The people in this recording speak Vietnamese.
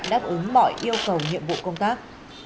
đáp ứng mọi yêu cầu nhiệm vụ công tác